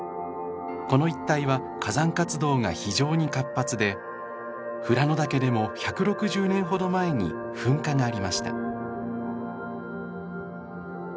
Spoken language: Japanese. この一帯は火山活動が非常に活発で富良野岳でも１６０年ほど前に噴火がありました。